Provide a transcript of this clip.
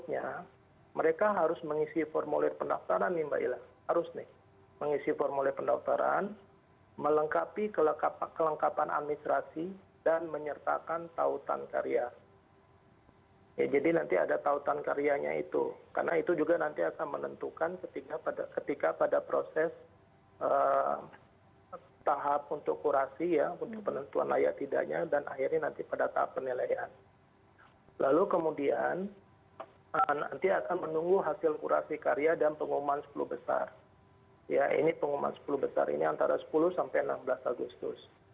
ya ini pengumuman sepuluh besar ini antara sepuluh sampai enam belas agustus